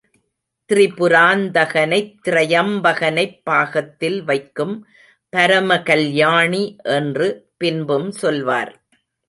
த்ரிபுராந் தகனைத் த்ரியம்பகனைப் பாகத்தில் வைக்கும் பரமகல் யாணி என்று பின்பும் சொல்வார்.